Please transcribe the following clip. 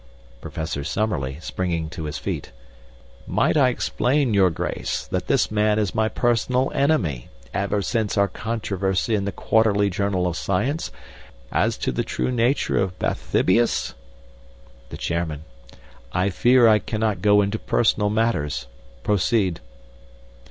"PROFESSOR SUMMERLEE (springing to his feet): 'Might I explain, your Grace, that this man is my personal enemy ever since our controversy in the Quarterly Journal of Science as to the true nature of Bathybius?' "THE CHAIRMAN: 'I fear I cannot go into personal matters. Proceed.'